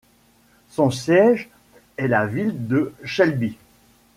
Son siège est la ville de Shelby.